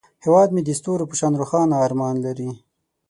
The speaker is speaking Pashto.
هیواد مې د ستورو په شان روښانه ارمان لري